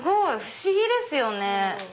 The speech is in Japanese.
不思議ですよね。